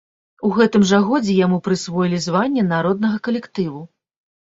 У гэтым жа годзе яму прысвоілі званне народнага калектыву.